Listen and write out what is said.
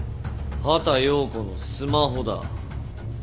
畑葉子のスマホだ。